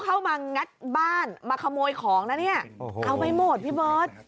เข้ามางัดบ้านมาขโมยของนะเนี่ยเอาใบหมดพี่หมด